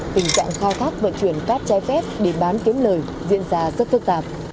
tình trạng khai thác vận chuyển cát trái phép để bán kiếm lời diễn ra rất phức tạp